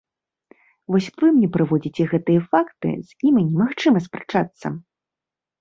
Вось вы мне прыводзіце гэтыя факты, з імі немагчыма спрачацца.